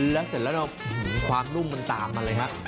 แล้วเสร็จแล้วเนอะหูความนุ่มมันตามมันเลยครับ